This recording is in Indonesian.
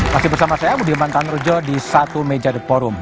masih bersama saya budi mantanrujo di satu meja di forum